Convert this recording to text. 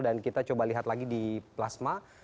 dan kita coba lihat lagi di plasma